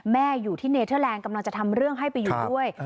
แม่อยู่ที่เนเทอร์แลนด์กำลังจะทำเรื่องให้ไปอยู่ด้วย